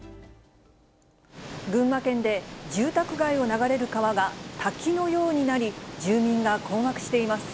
群馬県で、住宅街を流れる川が滝のようになり、住民が困惑しています。